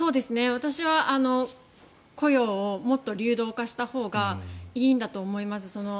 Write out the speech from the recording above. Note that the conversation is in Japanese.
私は雇用をもっと流動化したほうがいいんだと思います。